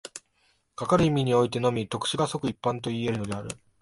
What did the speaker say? かかる意味においてのみ、特殊が即一般といい得るのである。